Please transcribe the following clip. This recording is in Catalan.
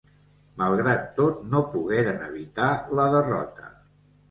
Malgrat tot no pogueren evitar la derrota.